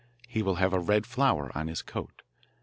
He will have a red flower on his coat.